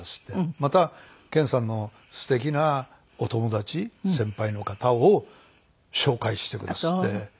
また健さんの素敵なお友達先輩の方を紹介してくだすって。